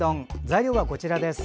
材料はこちらです。